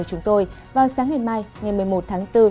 sáng sáng ngày mai ngày một mươi một tháng bốn